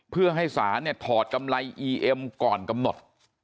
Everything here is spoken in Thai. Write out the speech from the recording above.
เพื่อให้ศาลเนี่ยถอดกำไรอีเอ็มก่อนกำหนด